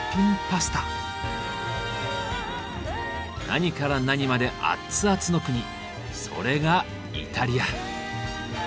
何から何までアッツアツの国それがイタリア！